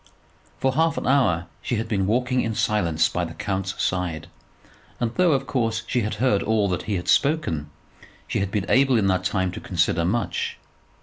For half an hour she had been walking in silence by the count's side; and though, of course, she had heard all that he had spoken, she had been able in that time to consider much.